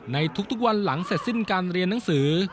ในทุกวันหลังเสร็จสิ้นการเรียนหนังสือ